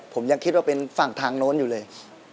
ผมยังคิดว่าเป็นฝั่งทางโน้นอยู่เลย